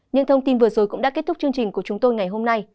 những thông tin vừa rồi cũng đã kết thúc chương trình của chúng tôi ngày hôm nay